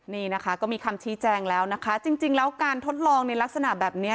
นี่นะคะก็มีคำชี้แจงแล้วนะคะจริงแล้วการทดลองในลักษณะแบบนี้